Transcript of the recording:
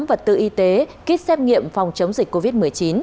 vật tư y tế kit xét nghiệm phòng chống dịch covid một mươi chín